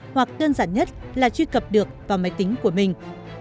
hoặc đơn giản nhất là truy cập được vào máy tính của mình